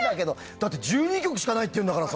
だって１２曲しかないっていうんだからさ。